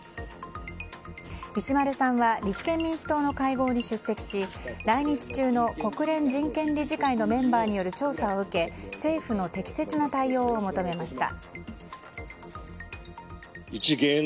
石丸さんは立憲民主党の会合に出席し来日中の国連人権理事会のメンバーによる調査を受け政府の適切な対応を求めました。